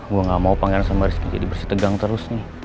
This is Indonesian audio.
gue gak mau pangeran sama rizky jadi bersih tegang terus nih